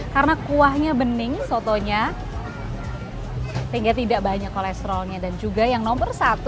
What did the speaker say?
karena kuahnya bening sotonya sehingga tidak banyak kolesterolnya dan juga yang nomor satu